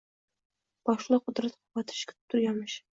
Boshliq Qudrat Quvvatovichni kutib turganmish